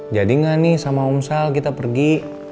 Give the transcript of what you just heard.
jadi gak nih sama om sal kita pergi